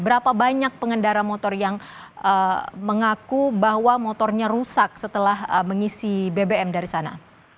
berapa banyak pengendara motor yang mengaku bahwa motornya rusak setelah mengisi bbm dari sana